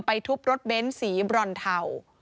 ทุบรถเบ้นสีบรอนเทา